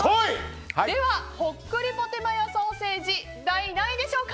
ほっくりポテマヨソーセージ第何位でしょうか。